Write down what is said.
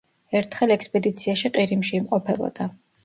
ერთხელ ექსპედიციაში ყირიმში იმყოფებოდა.